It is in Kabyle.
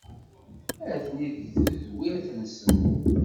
Atni deg tedwirt-nsen.